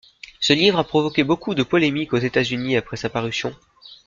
Ce livre a provoqué beaucoup de polémiques aux États-Unis après sa parution.